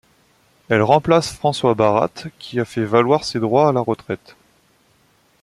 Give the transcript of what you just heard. Elle remplace François Barat qui a fait valoir ses droits à la retraite.